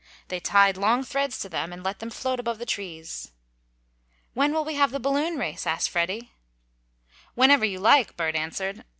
They tied long threads to them, and let them float above the trees. "When will we have the balloon race?" asked Freddie. "Whenever you like," Bert answered.